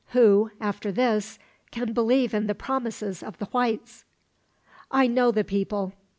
Who, after this, can believe in the promises of the whites? "I know the people.